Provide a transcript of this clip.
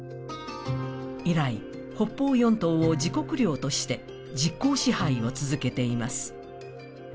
以来、北方四島を自国領として実効支配を続けています。